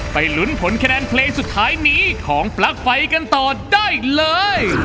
ไปลุ้นผลคะแนนเพลงสุดท้ายนี้ของปลั๊กไฟกันต่อได้อีกเลย